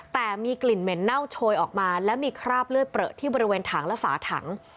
แต่มีกลิ่นเหม็นเน่าโชยออกมาแล้วมีคราบเลือดเปลือที่บริเวณถังและฝาถัง